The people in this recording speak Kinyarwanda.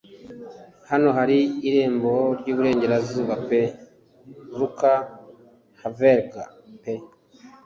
Hano hari irembo ryiburengerazuba pe Luke Havergal pe